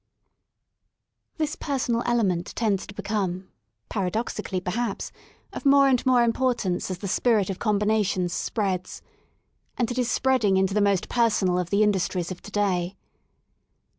This personal element tends to becomej paradoxic ally perhaps, of more and more importance as the spirit of combinations spreads And it is spreading into the most personal of the industries of to day.